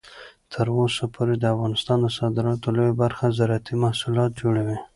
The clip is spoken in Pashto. تر اوسه پورې د افغانستان د صادراتو لویه برخه زراعتي محصولات جوړوي.